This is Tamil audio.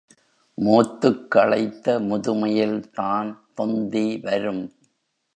மூத்துக் களைத்த முதுமையில்தான் தொந்தி வரும்.